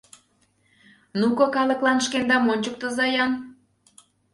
Ну-ко, калыклан шкендам ончыктыза-ян...